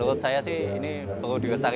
termasuk bagaimana menyikapi hidup yang ada sekarang